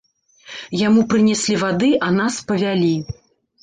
Яму прынеслі вады, а нас павялі.